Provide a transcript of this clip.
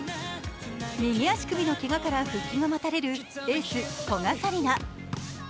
右足首のけがかから復帰が待たれるエース・古賀紗理那。